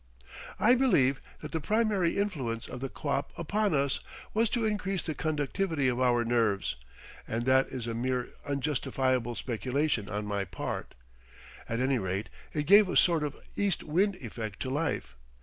I believe that the primary influence of the quap upon us was to increase the conductivity of our nerves, but that is a mere unjustifiable speculation on my part. At any rate it gave a sort of east wind effect to life.